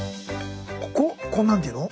ここ何て言うの？